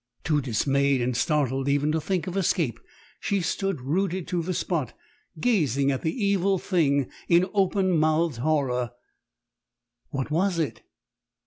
"Too dismayed and startled even to think of escape, she stood rooted to the spot, gazing at the evil thing in open mouthed horror. What was it?